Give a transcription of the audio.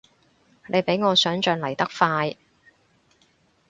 你比我想像嚟得快